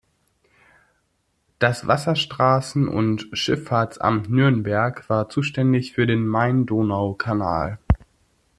Das Wasserstraßen- und Schifffahrtsamt Nürnberg war zuständig für den Main-Donau-Kanal.